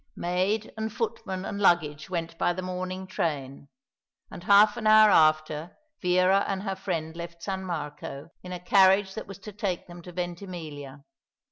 Maid and footman and luggage went by the morning train; and half an hour after Vera and her friend left San Marco, in a carriage that was to take them to Ventimiglia.